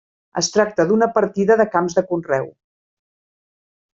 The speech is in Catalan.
Es tracta d'una partida de camps de conreu.